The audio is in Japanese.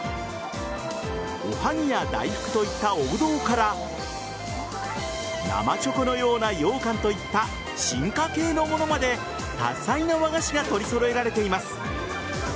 おはぎや大福といった王道から生チョコのようなようかんといった進化形のものまで多彩な和菓子が取り揃えられています。